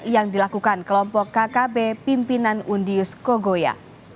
yang dilakukan kelompok kkb pimpinan undius kogoya